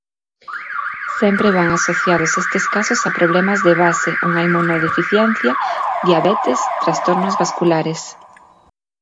Sempre van asociados estes casos a problemas de base, unha inmunodeficiencia, diabetes, trastornos vasculares.